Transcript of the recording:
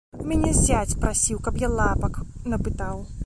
У мяне зяць прасіў, каб я лапак напытаў.